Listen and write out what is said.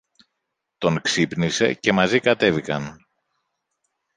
Τον ξύπνησε και μαζί κατέβηκαν.